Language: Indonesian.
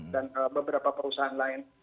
dan beberapa perusahaan lain